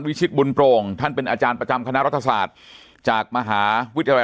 ชิตบุญโปร่งท่านเป็นอาจารย์ประจำคณะรัฐศาสตร์จากมหาวิทยาลัย